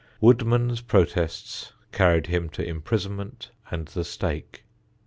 Woodman's protests carried him to imprisonment and the stake.